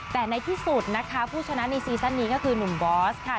แต่ในที่สุดนะคะผู้ชนะในซีซั่นนี้ก็คือหนุ่มบอสค่ะ